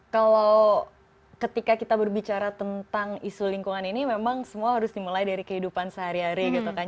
kalau ketika kita berbicara tentang isu lingkungan ini memang semua harus dimulai dari kehidupan sehari hari gitu kan